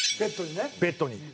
ベッドにね。